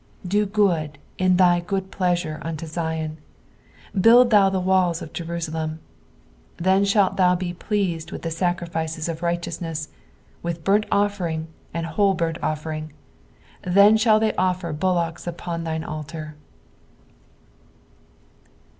18 Do good in thy good pleasure unto Zion : build thou the walls of Jerusalem. 19 Then shalt thou be pleased with the sacriflceB of righteous ness, with burnt ofFering and whole burnt offering : then shall they offer bullocks upon thine altar.